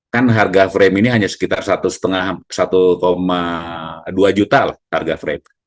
kan harga frame ini hanya sekitar satu dua juta lah harga frame